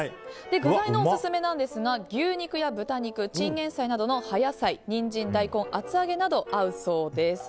具材のオススメですが牛肉や豚肉、チンゲンサイなどの葉野菜やニンジン、大根、厚揚げなどが合うそうです。